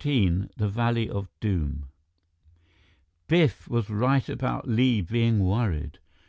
XIV The Valley of Doom Biff was right about Li being worried.